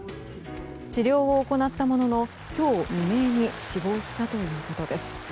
治療を行ったものの今日未明に死亡したということです。